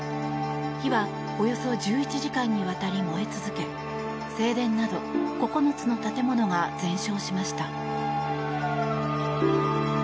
火はおよそ１１時間にわたり燃え続け正殿など９つの建物が全焼しました。